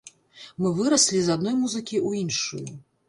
Мы выраслі з адной музыкі ў іншую.